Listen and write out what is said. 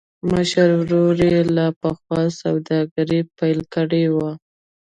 مشر ورور يې لا پخوا سوداګري پيل کړې وه.